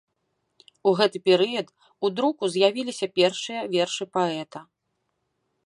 У гэты перыяд у друку з'явіліся першыя вершы паэта.